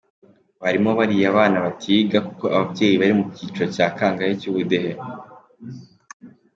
Barimo bariya bana batiga kuko ababyeyi bari mu cyiciro cya kangahe cy’ubudehe;